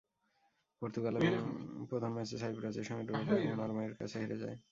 Portugal প্রথম ম্যাচে সাইপ্রাসের সঙ্গে ড্র করে এবং নরওয়ের কাছে হেরে যায়।